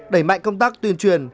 đẩy mạnh công tác tuyên truyền